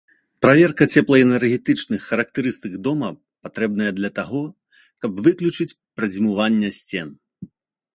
Праверка цеплаэнергетычных характарыстык дома патрэбная для таго, каб выключыць прадзьмуванне сцен.